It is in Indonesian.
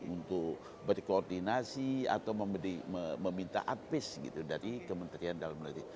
untuk berkoordinasi atau meminta advice gitu dari kementerian dalam negeri